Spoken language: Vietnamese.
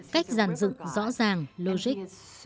cách giàn dựng rõ ràng logic